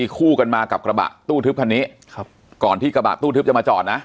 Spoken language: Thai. คู่กันมากับกระบะตู้ทึบคันนี้ครับก่อนที่กระบะตู้ทึบจะมาจอดนะ